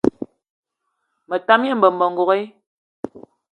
Me tam gne mmema n'gogué